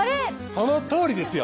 そのとおりですよ。